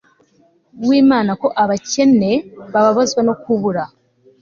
wImana ko abakene bababazwa no kubura